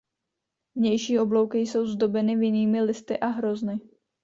Vnější oblouky jsou zdobeny vinnými listy a hrozny.